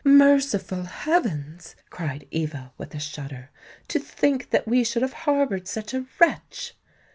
"Merciful heavens!" cried Eva, with a shudder. "To think that we should have harboured such a wretch!"